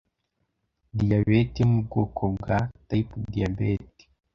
diyabete yo mu bwoko bwa (type diabetes)